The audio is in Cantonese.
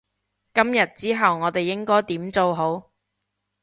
今日之後我哋應該點做好？